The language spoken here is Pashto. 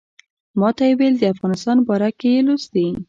ماته یې ویل د افغانستان باره کې یې لوستي.